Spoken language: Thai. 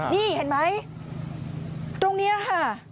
นี่เห็นไหมตรงนี้ค่ะ